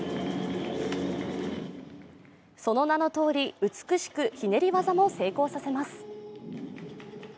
その名のとおり、美しくひねり技も成功させます。